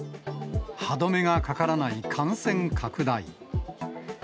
歯止めがかからない感染拡大。